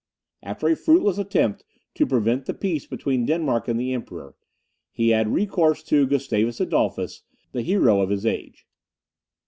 After a fruitless attempt to prevent the peace between Denmark and the Emperor, he had recourse to Gustavus Adolphus, the hero of his age.